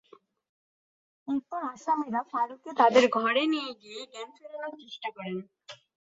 এরপর আসামিরা ফারুকে তাঁদের ঘরে নিয়ে গিয়ে জ্ঞান ফেরানোর চেষ্টা করেন।